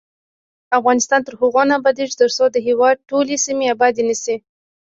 افغانستان تر هغو نه ابادیږي، ترڅو د هیواد ټولې سیمې آبادې نه شي.